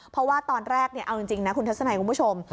เพราะว่าตอนแรกเอาจริงนะคุณทัศนัยคุณผู้ชม